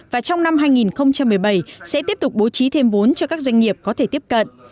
và trong năm hai nghìn một mươi bảy sẽ tiếp tục bố trí thêm vốn cho các doanh nghiệp có thể tiếp cận